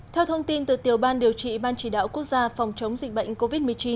theo thông tin từ tiểu ban điều trị ban chỉ đạo quốc gia phòng chống dịch bệnh covid một mươi chín